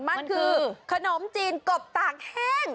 มันคือขนมจีนกบตากแห้ง